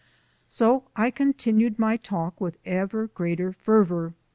So I continued my talk with even greater fervour.